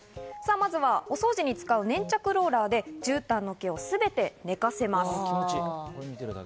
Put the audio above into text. まずはお掃除に使う粘着ローラーで絨毯の毛を全て寝かせます。